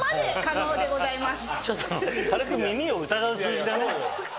ちょっと軽く耳を疑う数字だね。